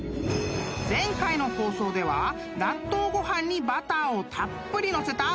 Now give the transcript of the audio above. ［前回の放送では納豆ご飯にバターをたっぷり載せた］